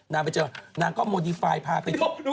นางไปเจอกนางก็โมดิไฟล์มีต้อนไปดิ